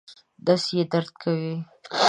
نس یې درد کوي